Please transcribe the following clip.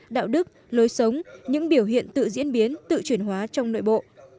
đạo đức lối sống những biểu hiện tự diễn biến tự chuyển hóa trong nội bộ